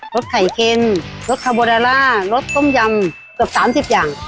รสไข่เค็นรสรสกำโต้มยำเกือบสามสิบอย่าง